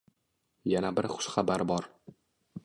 Yana bir xushxabar bor: